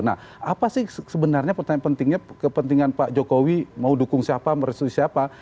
nah apa sih sebenarnya pertanyaan pentingnya kepentingan pak jokowi mau dukung siapa merestui siapa